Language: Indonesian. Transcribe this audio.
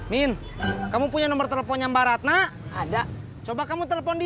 min kamu punya nomor teleponnya mbak ratna ada coba kamu telepon dia